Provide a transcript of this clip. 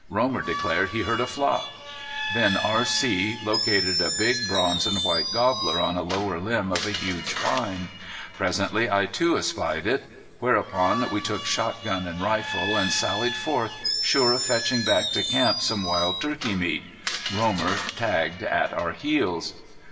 Romer declared he heard a flock. Then R.C. located a big bronze and white gobbler on a lower limb of a huge pine. Presently I too espied it. Whereupon we took shot gun and rifle, and sallied forth sure of fetching back to camp some wild turkey meat. Romer tagged at our heels.